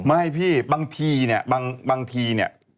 ไม่พี่บางทีเนี่ยบางทีเนี่ย